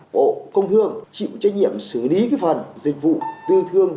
bộ công thương chịu trách nhiệm xử lý cái phần dịch vụ tư thương